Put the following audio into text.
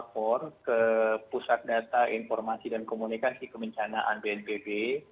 lapor ke pusat data informasi dan komunikasi kebencanaan bnpb